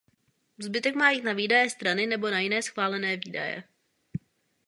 Zbytek má jít na výdaje strany nebo na jiné schválené výdaje.